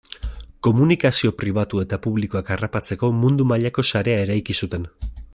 Komunikazio pribatu eta publikoak harrapatzeko mundu mailako sarea eraiki zuten.